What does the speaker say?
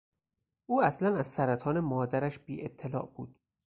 او اصلا از سرطان مادرش بیاطلاع بود.